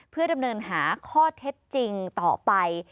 เพื่อดำเนินหาข้อเท็จจริงต่อไป